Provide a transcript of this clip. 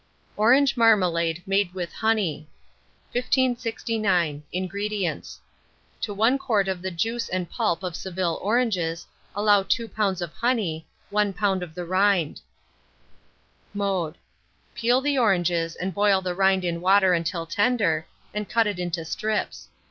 ORANGE MARMALADE MADE WITH HONEY. 1569. INGREDIENTS. To 1 quart of the juice and pulp of Seville oranges allow 2 lbs. of honey, 1 lb. of the rind. Mode. Peel the oranges and boil the rind in water until tender, and cut it into strips.